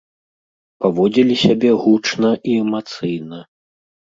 Паводзілі сябе гучна і эмацыйна.